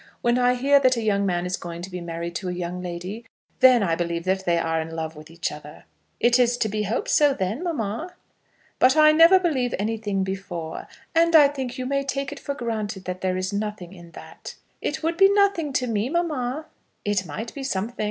When I hear that a young man is going to be married to a young lady, then I believe that they are in love with each other." "It is to be hoped so then, mamma?" "But I never believe any thing before. And I think you may take it for granted that there is nothing in that." "It would be nothing to me, mamma." "It might be something.